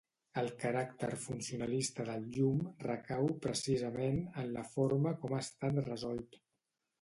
El caràcter funcionalista del llum recau, precisament, en la forma com ha estat resolt.